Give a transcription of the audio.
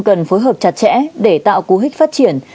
cần phối hợp chặt chẽ để tạo cú hích phát triển